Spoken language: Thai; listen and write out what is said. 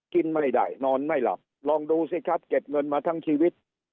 กินไม่ได้นอนไม่หลับลองดูสิครับเก็บเงินมาทั้งชีวิต